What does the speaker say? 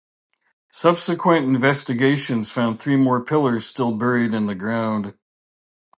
Subsequent investigations found three more pillars still buried in the ground.